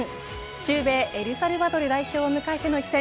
中米エルサルバドル代表を迎えての一戦。